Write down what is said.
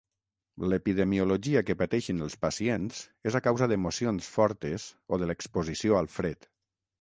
L'epidemiologia que pateixen els pacients és a causa d’emocions fortes o de l’exposició al fred.